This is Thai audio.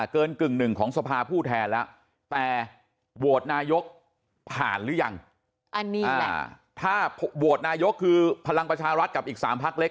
กึ่งหนึ่งของสภาผู้แทนแล้วแต่โหวตนายกผ่านหรือยังอันนี้แหละถ้าโหวตนายกคือพลังประชารัฐกับอีก๓พักเล็ก